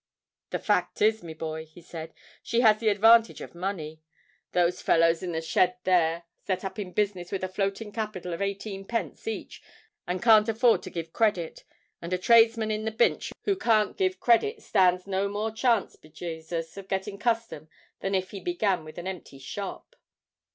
"The fact is, me boy," he said, "she has the advantage of money. Those fellows in the sheds there, set up in business with a floating capital of eighteen pence each, and can't afford to give credit: and a tradesman in the Binch who can't give credit, stands no more chance, be Jasus! of getting custom than if he began with an empty shop."